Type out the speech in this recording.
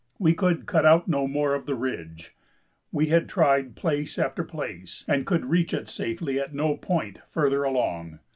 We could cut out no more of the ridge; we had tried place after place and could reach it safely at no point further along.